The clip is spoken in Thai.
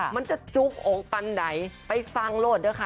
มันจะจุ๊บโอ่งปันใดไปฟังโหลดด้วยค่ะ